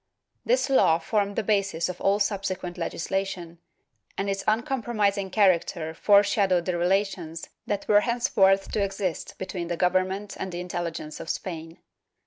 This law formed the basis of all subsequent legislation, and its uncompromising character foreshadowed the relations that were henceforth to exist between the government and the intelU gence of Spain.